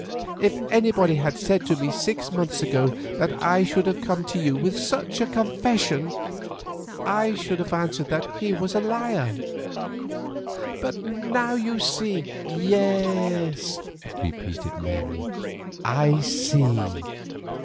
If anybody had said to me six months ago that I should have to come to you with such a confession, I should have answered that he was a liar. But now you see——" "Yes," repeated Mary, "I see."